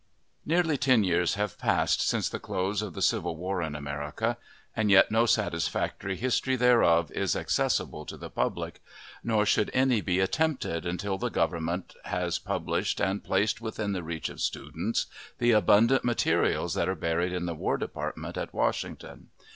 Nearly ten years have passed since the close of the civil war in America, and yet no satisfactory history thereof is accessible to the public; nor should any be attempted until the Government has published, and placed within the reach of students, the abundant materials that are buried in the War Department at Washington.